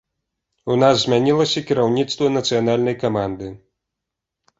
У нас змянілася кіраўніцтва нацыянальнай каманды.